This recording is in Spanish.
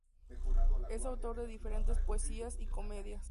Es autor de diferentes "Poesías y Comedias".